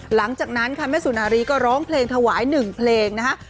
หลังจากนั้นค่ะแม่สุนารีก็ร้องเพลงถวาย๑เพลงนะคะ